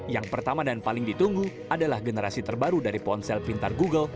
yang pertama dan paling ditunggu adalah generasi terbaru dari ponsel pintar google